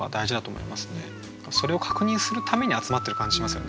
それを確認するために集まってる感じしますよね。